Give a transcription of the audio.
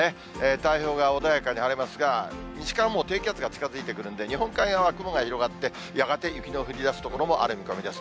太平洋側、穏やかに晴れますが、西からもう低気圧が近づいてくるので、日本海側は雲が広がって、やがて雪の降りだす所もある見込みです。